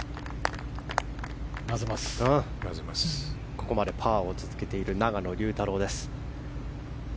ここまでパーを続けている永野竜太郎です。